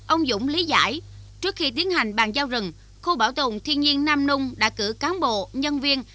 ông dũng lý giải trước khi tiến hành bàn giao rừng khu bảo tồn thiên nhiên nam nung đã cử cán bộ nhân viên